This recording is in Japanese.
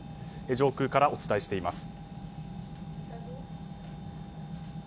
上空からお伝えしています。